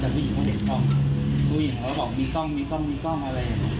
แต่ผู้หญิงไม่เห็นกล้องผู้หญิงเขาก็บอกมีกล้องอะไร